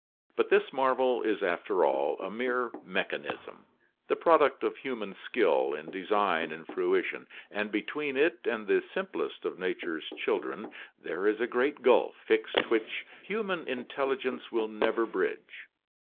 But this marvel is after all a mere mechanism, the product of human skill in design and fruition, and between it and the simplest of nature's children there is a great gulf fixed which human intelligence will never bridge.